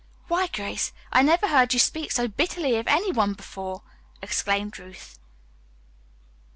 "Why, Grace, I never heard you speak so bitterly of any one before!" exclaimed Ruth.